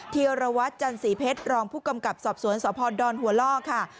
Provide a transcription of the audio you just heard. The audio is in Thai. ธีรวัตรจันสีเพชรรองผู้กำกับสอบสวนสพดอนหัวล่อค่ะ